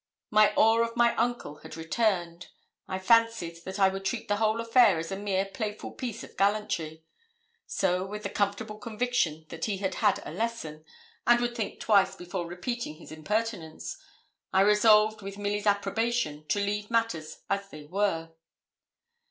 My awe of my uncle had returned. I fancied that he would treat the whole affair as a mere playful piece of gallantry. So, with the comfortable conviction that he had had a lesson, and would think twice before repeating his impertinence, I resolved, with Milly's approbation, to leave matters as they were.